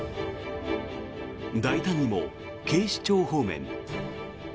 大胆にも警視庁方面。